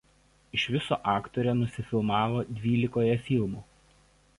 Iš viso aktorė nusifilmavo dvylikoje filmų.